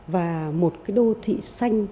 và một đô thị xanh